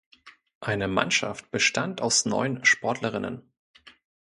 Eine Mannschaft bestand aus neun Sportlerinnen.